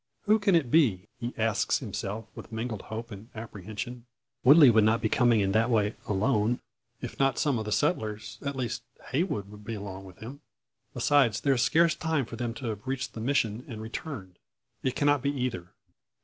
"Who can it be?" he asks himself with mingled hope and apprehension. "Woodley would not be coming in that way, alone? If not some of the settlers, at least Heywood would be along with him? Besides, there is scarce time for them to have reached the Mission and returned. It cannot be either.